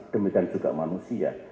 demi dan juga manusia